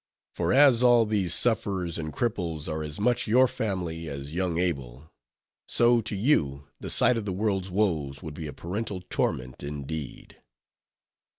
For as all these sufferers and cripples are as much your family as young Abel, so, to you, the sight of the world's woes would be a parental torment indeed.